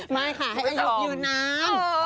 มาค่ะให้อาจารย์อยู่นาน